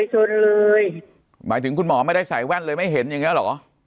ชนเลยหมายถึงคุณหมอไม่ได้ใส่แว่นเลยไม่เห็นอย่างเงี้เหรอ